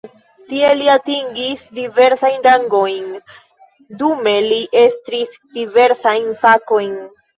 Tie li atingis diversajn rangojn, dume li estris diversajn fakojn.